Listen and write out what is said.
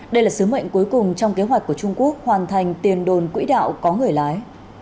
đây là sứ mệnh cuối cùng trong kế hoạch của trung quốc hoàn thành tiền đồn quỹ đạo có người lái